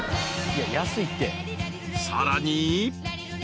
［さらに］